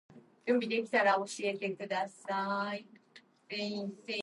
The Lexicon is a winner of J. K. Rowling's Fan Site Award.